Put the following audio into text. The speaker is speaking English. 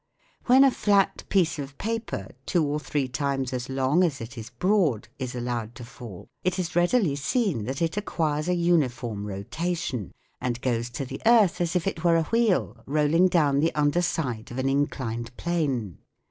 When a flat piece of paper, two or three times as long as it is broad, is allowed to fall, it is readily seen that it acquires a uniform rotation, and goes to the earth as if it were a wheel rolling down the under side of an inclined plane.